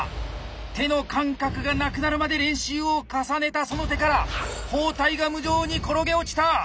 手の感覚がなくなるまで練習を重ねたその手から包帯が無情に転げ落ちた！